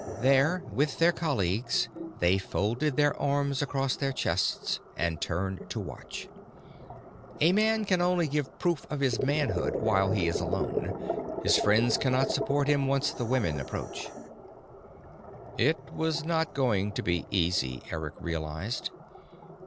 There, with their colleagues, they folded their arms across their chests and turned to watch. A man can only give proof of his manhood while he is alone; his friends cannot support him once the women approach. It was not going to be easy, Eric realized.